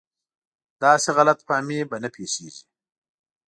داسې غلط فهمي به نه پېښېږي.